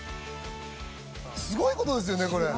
すごいことですよね、これ。